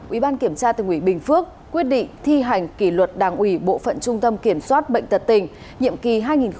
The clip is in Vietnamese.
ubktnb phước quyết định thi hành kỷ luật đảng ubktnb tật tình nhiệm kỳ hai nghìn hai mươi hai nghìn hai mươi hai